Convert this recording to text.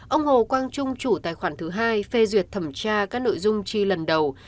ông hồ quang trung chủ tài khoản thứ hai phê duyệt thẩm tra các nội dung chi lần đầu